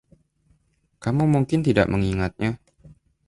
Kamu mungkin tidak mengingatnya.